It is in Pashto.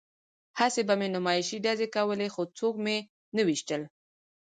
هسې به مې نمایشي ډزې کولې خو څوک مې نه ویشتل